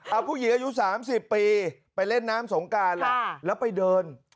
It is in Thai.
เอาผู้หญิงอายุ๓๐ปีไปเล่นน้ำสงการแหละแล้วไปเดิน